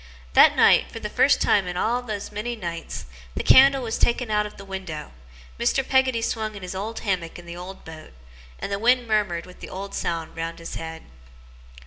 That night, for the first time in all those many nights, the candle was taken out of the window, Mr. Peggotty swung in his old hammock in the old boat, and the wind murmured with the old sound round his head.